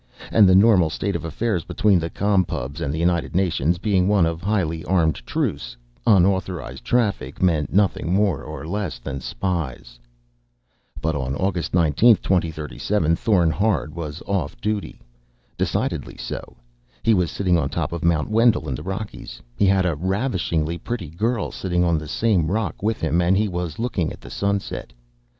And, the normal state of affairs between the Com Pubs and the United Nations being one of highly armed truce, "unauthorized traffic" meant nothing more or less than spies. But on August 19th, 2037, Thorn Hard was off duty. Decidedly so. He was sitting on top of Mount Wendel, in the Rockies; he had a ravishingly pretty girl sitting on the same rock with him, and he was looking at the sunset.